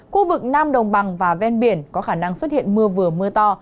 khu vực nam đồng bằng và ven biển có khả năng xuất hiện mưa vừa mưa to